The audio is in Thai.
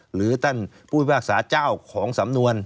หรือท่านผู้พิพากษาเจ้าของสำนวน